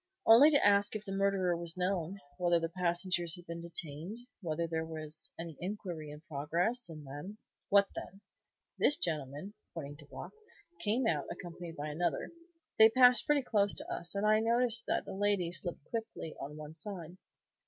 "Only to ask if the murderer was known; whether the passengers had been detained; whether there was any inquiry in progress; and then " "What then?" "This gentleman," pointing to Block, "came out, accompanied by another. They passed pretty close to us, and I noticed that the lady slipped quickly on one side."